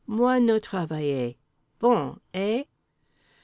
Moi no travailler. Bon, eh?